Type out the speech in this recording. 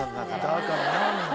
だから何？